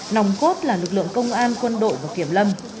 nòng cốt là lực lượng công an quân đội và kiểm lâm